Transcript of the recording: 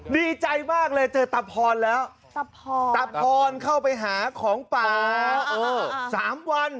ดีใจมากเลยเจอตาพรแล้วตาพรเข้าไปหาของป่า๓วัน